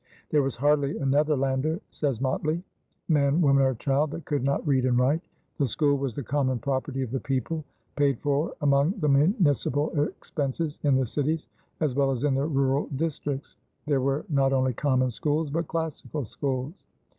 "There was hardly a Netherlander," says Motley, "man, woman or child, that could not read and write. The school was the common property of the people, paid for among the municipal expenses in the cities as well as in the rural districts. There were not only common schools but classical schools.